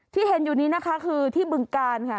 ที่เห็นอยู่นี้นะคะคือที่บึงกาลค่ะ